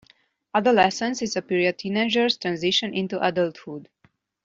Adolescence is a period teenagers transition into adulthood.